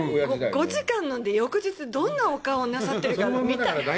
５時間飲んで、翌日、どんなお顔をなさってるか見たい。